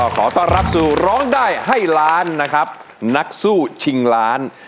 ขอต้อนรับสู่ร้องได้ให้ล้านนะครับนักสู้ชิงล้าน